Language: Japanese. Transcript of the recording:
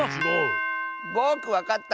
ぼくわかった！